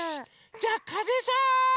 じゃあかぜさん！